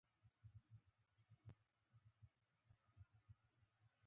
سخت سوالونه را نه کوه. که څه هم په اړه یې پوهېږم، ډېر تریخ.